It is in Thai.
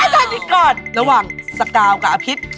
สิงหานะอาจารย์